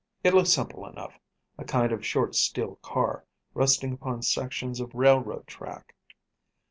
It looked simple enough, a kind of short steel car, resting upon sections of railroad track.